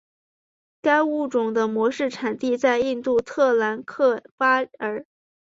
该物种的模式产地在印度特兰克巴尔。